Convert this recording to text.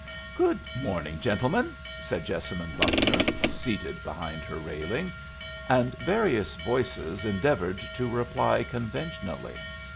"Good morning, gentlemen," said Jessamine Buckner, seated behind her railing; and various voices endeavored to reply conventionally.